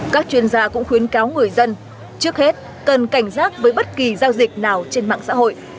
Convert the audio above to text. các chuyên gia cũng khuyến cáo người dân trước hết cần cảnh giác với bất kỳ giao dịch nào trên mạng xã hội